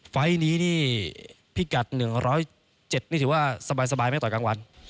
ไฟล์นี้นี่พิกัด๑๐๗นี่ถือว่าสบายไหมตอนกลางวัน